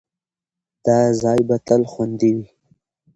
دا ځای به تل خوندي وي.